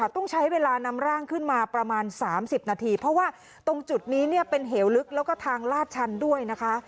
ต้องใช้เวลานำร่างขึ้นมาประมาณ๓๐นาทีเพราะว่าตรงจุดนี้เนี่ยเป็นเหวลึกแล้วก็ทางลาดชันด้วยนะคะ